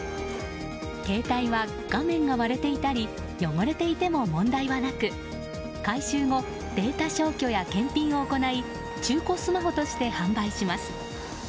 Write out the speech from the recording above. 携帯は画面が割れていたり汚れていても問題はなく回収後、データ消去や検品を行い中古スマホとして販売します。